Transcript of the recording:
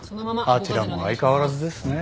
あちらも相変わらずですね。